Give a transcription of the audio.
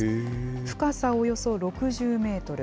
深さおよそ６０メートル。